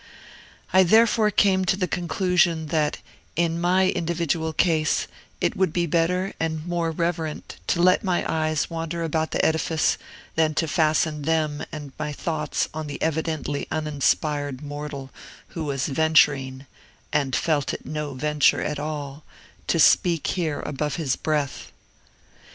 I therefore came to the conclusion, that, in my individual case, it would be better and more reverent to let my eyes wander about the edifice than to fasten them and my thoughts on the evidently uninspired mortal who was venturing and felt it no venture at all to speak here above his breath.